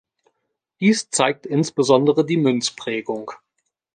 Dies zeigt insbesondere die Münzprägung.